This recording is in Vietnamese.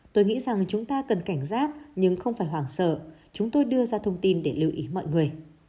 tôi nghĩ rằng chúng ta cần cảnh giác nhưng không phải hoảng sợ chúng tôi đưa ra thông tin để lưu ý mọi người